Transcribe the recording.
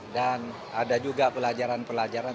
dan ada juga pelajaran pelajaran